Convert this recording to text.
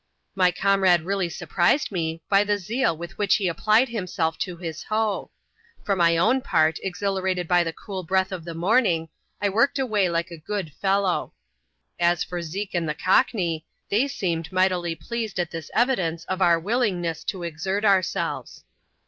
My comrade really surprised me by the zeal with which he applied himself to bis hoe. For my own pact) ^s^c^^ax^VAXs^ ; 228 ADVENTURES IN THE SOUTH SEAS. [chap.ut. the cool breath of the morning, I worked awaj like a good fellow. As for Zeke and the Cockney, thejjseemed mightily pleased at this evidence of our willingness to exert ourselves.